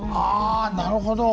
あなるほど！